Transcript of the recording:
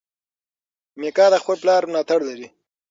میکا د خپل پلار ملاتړ لري.